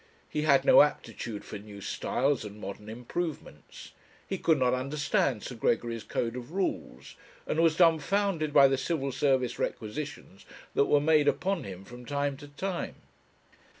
He had no aptitude for new styles and modern improvements; he could not understand Sir Gregory's code of rules, and was dumbfounded by the Civil Service requisitions that were made upon him from time to time.